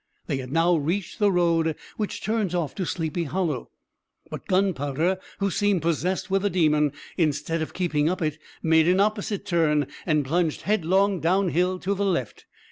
They had now reached the road which turns off to Sleepy Hollow; but Gunpowder, who seemed possessed with a demon, instead of keeping up it, made an opposite turn, and plunged headlong downhill to the left.